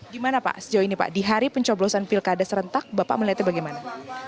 gimana pak sejauh ini pak di hari pencoblosan pilkada serentak bapak melihatnya bagaimana